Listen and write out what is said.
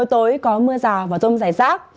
trời mưa tối có mưa rào và rông dài rác